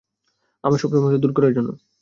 আমার সব সমস্যা দূর করার জন্য।